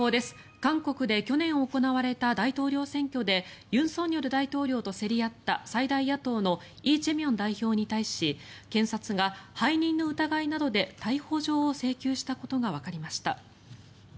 韓国で去年行われた大統領選挙で尹錫悦大統領と競り合った最大野党のイ・ジェミョン代表に対し検察が背任の疑いなどで逮捕状を請求したことがわかりました。